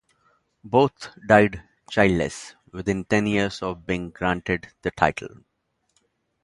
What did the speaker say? Both died childless within ten years of being granted the title.